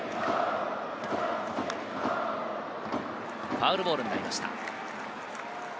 ファウルボールになりました。